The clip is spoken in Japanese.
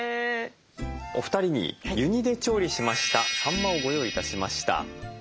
お二人に湯煮で調理しましたさんまをご用意致しました。